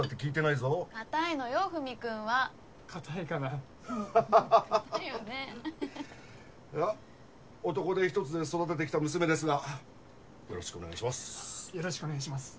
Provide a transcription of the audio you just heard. いや男手一つで育ててきた娘ですがよろしくお願いします。